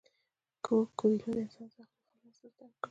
کویلیو د انسان د داخلي خلا احساس درک کړ.